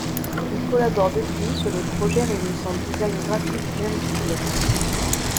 Ils collaborent depuis sur des projets réunissant design graphique et industriel.